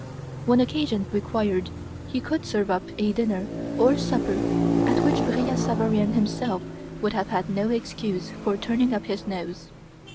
When occasion required, he could serve up a dinner or supper at which Brillat Savarian himself would have had no excuse for turning up his nose.